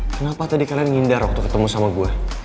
kenapa tadi kalian nyindar waktu ketemu sama gue